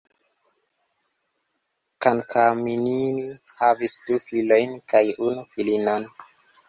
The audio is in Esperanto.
Kankaanniemi havas du filojn kaj unu filinon.